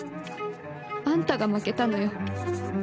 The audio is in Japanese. あんたが負けたのよ。